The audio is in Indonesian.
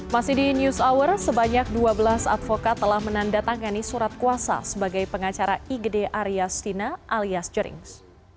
masih di news hour sebanyak dua belas advokat telah menandatangani surat kuasa sebagai pengacara igd arya stina alias jerings